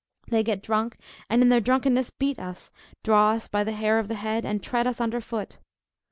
They get drunk, and in their drunkenness beat us, draw us by the hair of the head, and tread us under foot.